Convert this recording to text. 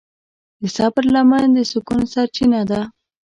د صبر لمن د سکون سرچینه ده.